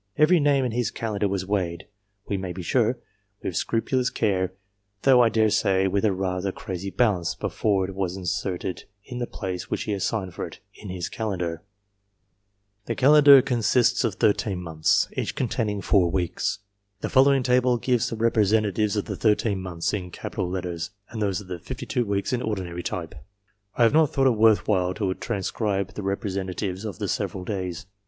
Every name in his Calendar was weighed, we may be sure, with scrupulous care, though, I dare say, with a rather crazy balance, before it was inserted in the place which he assigned for it. The Calendar consists of 13 months, each containing 4 weeks. The following table gives the representatives of the 13 months in capital letters, and those of the 52 weeks in ordinary type. I have not thought it worth while to transcribe the representatives of the several days.